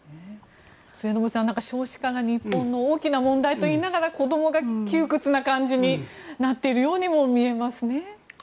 末延さん、少子化が日本の大きな問題と言いながら子どもが窮屈な感じになっているようにも見えますね。